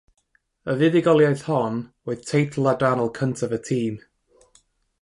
Y fuddugoliaeth hon oedd teitl adrannol cyntaf y tîm.